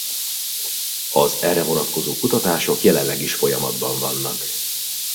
Az erre vonatkozó kutatások jelenleg is folyamatban vannak.